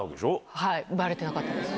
はい、ばれなかったです。